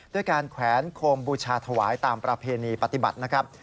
ด้วยการแขวนโคมบูชาถวายตามประเพณีปฏิบัตินะครับ